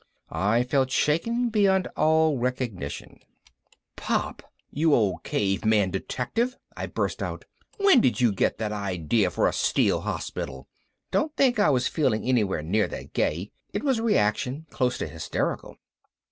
I felt shaken beyond all recognition. "Pop, you old caveman detective!" I burst out. "When did you get that idea for a steel hospital?" Don't think I was feeling anywhere near that gay. It was reaction, close to hysterical.